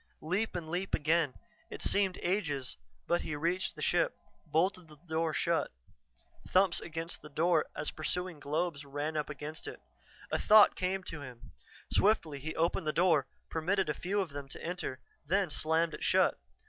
Leap and leap again. It seemed ages, but he reached the ship, bolted the door shut. Thumps against the door as the pursuing globes ran up against it. A thought came to him; swiftly he opened the door, permitted a few of them to enter, then slammed it shut.